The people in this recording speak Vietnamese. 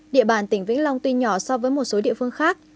địa bàn tỉnh vĩnh long tuy nhỏ so với một số địa phương khác